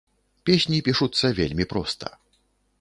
Песні пішуцца вельмі проста.